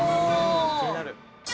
気になる。